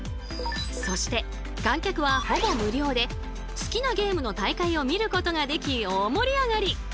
そして観客はほぼ無料で好きなゲームの大会を見ることができ大盛り上がり！